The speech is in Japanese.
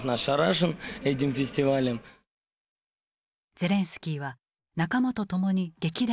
ゼレンスキーは仲間と共に劇団を結成。